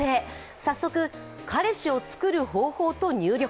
早速、「彼氏を作る方法」と入力。